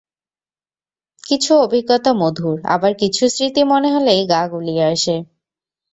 কিছু অভিজ্ঞতা মধুর, আবার কিছু স্মৃতি মনে হলেই গা গুলিয়ে আসে।